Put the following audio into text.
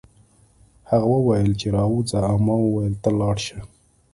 هغه وویل چې راوځه او ما وویل ته لاړ شه